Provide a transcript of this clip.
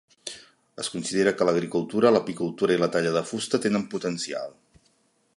Es considera que l'agricultura, l'apicultura i la talla de fusta tenen potencial.